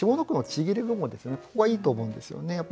ここがいいと思うんですよね。